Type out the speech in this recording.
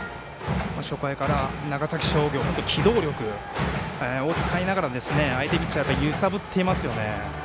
初回から長崎商業は機動力を使いながら相手ピッチャーを揺さぶっていますよね。